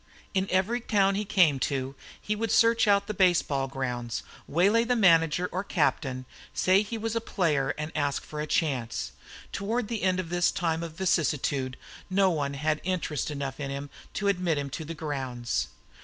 In every town he came to he would search out the baseball grounds, waylay the manager or captain, say that he was a player and ask for a chance. Toward the end of this time of vicissitude no one had interest enough in him to admit him to the grounds.